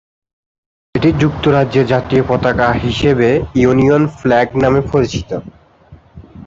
এটি যুক্তরাজ্যের জাতীয় পতাকা হিসেবে ইউনিয়ন ফ্ল্যাগ নামে পরিচিত।